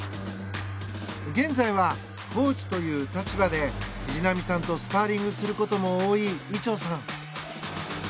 現在はコーチという立場で藤波さんとスパーリングすることも多い伊調さん。